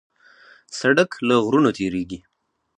سړک له غرونو تېرېږي.